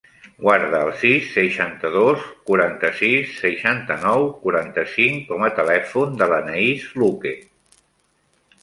Guarda el sis, seixanta-dos, quaranta-sis, seixanta-nou, quaranta-cinc com a telèfon de l'Anaïs Luque.